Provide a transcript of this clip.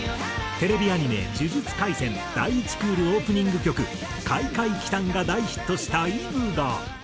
テレビアニメ『呪術廻戦』第１クールオープニング曲『廻廻奇譚』が大ヒットしたＥｖｅが。